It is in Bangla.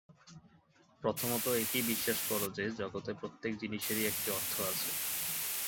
প্রথমত এইটি বিশ্বাস কর যে, জগতে প্রত্যেক জিনিষেরই একটি অর্থ আছে।